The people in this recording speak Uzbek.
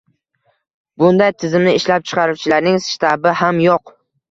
Bunday tizimni ishlab chiquvchilarning shtabi ham yo‘q.